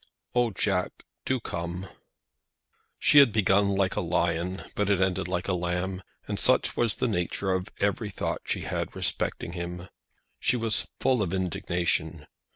Oh, Jack, do come." She had begun like a lion, but had ended like a lamb; and such was the nature of every thought she had respecting him. She was full of indignation.